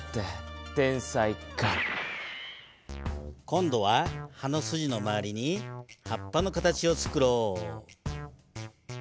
今度は葉のすじのまわりに葉っぱの形をつくろう。